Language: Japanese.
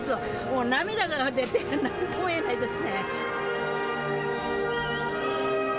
もう涙が出て何とも言えないですね。